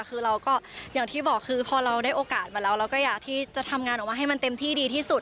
คือเราก็อย่างที่บอกคือพอเราได้โอกาสมาแล้วเราก็อยากที่จะทำงานออกมาให้มันเต็มที่ดีที่สุด